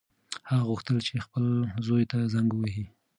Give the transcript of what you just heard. هغه غوښتل چې خپل زوی ته زنګ ووهي.